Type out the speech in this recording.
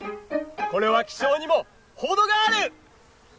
これは希少にも程がある！